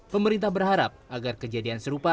pemerintah berharap agar kejadian serupa